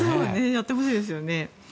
やってほしいですね。